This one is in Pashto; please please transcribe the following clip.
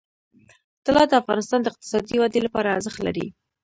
طلا د افغانستان د اقتصادي ودې لپاره ارزښت لري.